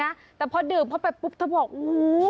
นะแต่พอดื่มเข้าไปปุ๊บเธอบอกโอ้โห